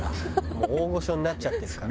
もう大御所になっちゃってるから。